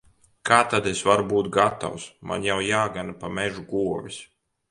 Kā tad es varu būt gatavs! Man jau jāgana pa mežu govis.